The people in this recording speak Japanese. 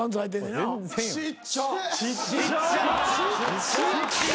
ちっちゃ！